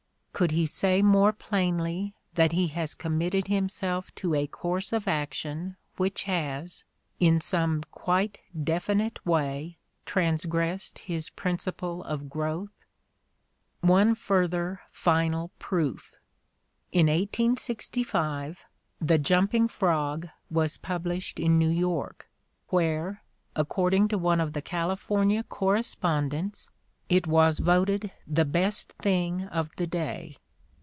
'' Could he say more plainly that he has com mitted himself to a course of action which has, in some quite definite way, transgressed his principle of growth ? One further, final proof. In 1865 "The Jumping Prog" was published in New York, where, according to one of the California correspondents, it was "voted the best thing of the day.